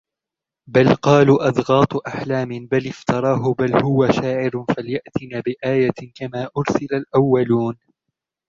بل قالوا أضغاث أحلام بل افتراه بل هو شاعر فليأتنا بآية كما أرسل الأولون